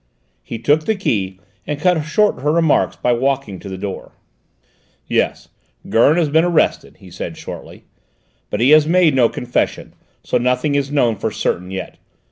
He took the key and cut short her remarks by walking to the door. "Yes, Gurn has been arrested," he said shortly; "but he has made no confession, so nothing is known for certain yet.